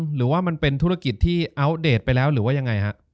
หรือว่ามันเป็นธุรกิจที่อัปเดตไปแล้วหรือว่ายังไงฮะ